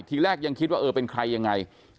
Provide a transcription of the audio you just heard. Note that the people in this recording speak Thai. ทีแรกยังคิดว่าเออเป็นใครยังไง